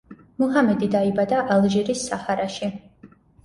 მუჰამედი დაიბადა ალჟირის საჰარაში.